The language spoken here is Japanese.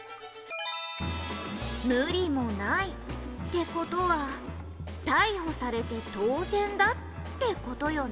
「“無理もない”って事は逮捕されて当然だって事よね」